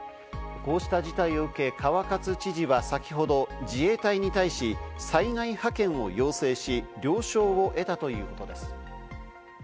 こうした事態を受け、川勝知事は先ほど自衛隊に対し災害派遣を要請し、了承を得たということです。